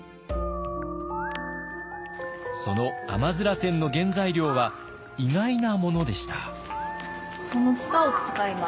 その甘煎の原材料は意外なものでした。